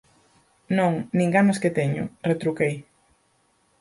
Non, nin ganas que teño −retruquei.